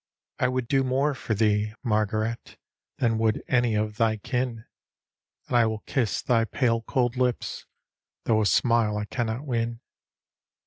" I would do more for thee, Margaret, Than would any of thy kin. And I will kiss thy pale cold lips, Though a smile I camiot win."